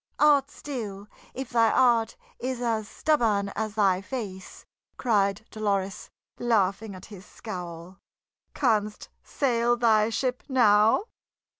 "Art still, if thy heart is as stubborn as thy face!" cried Dolores, laughing at his scowl. "Canst sail thy ship now?"